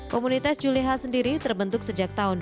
komunitas juleha sendiri terbentuk sejak tahun dua ribu enam belas